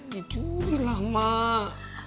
dicuri lah mak